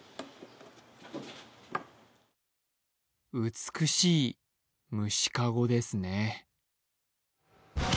美しい虫かごですね。